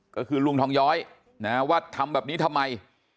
ก็คือลุงทองย้อยว่าทำแบบนี้ทำไม